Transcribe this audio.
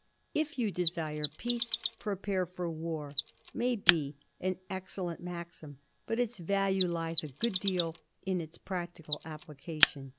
* If you desire peace, prepare for war,' may be an ex cellent maxim, but its value lies a good deal in its practical application.